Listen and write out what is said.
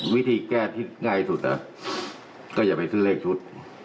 วิธีแก้ที่ง่ายสุดก็อย่าไปซื้อเลขชุด